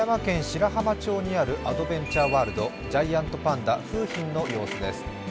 白浜町にあるアドベンチャーワールド、ジャイアントパンダ・楓浜の様子です。